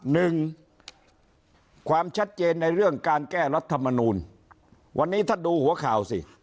หนึ่งความชัดเจนในเรื่องการแก้รัฐมนูลวันนี้ท่านดูหัวข่าวสิ